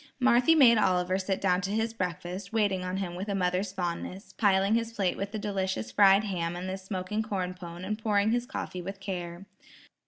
Marthy made Oliver sit down to his breakfast, waiting on him with a mother's fondness, piling his plate with the delicious fried ham and the smoking corn pone, and pouring his coffee with care.